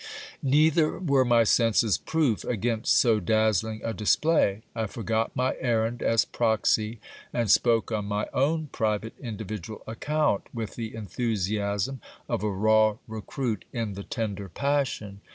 Neither were my senses proof against so dazzling a display. I forgot my errand as proxy, and spoke on my own private individual account, with the en thusiasm of a raw recruit in the tender passion.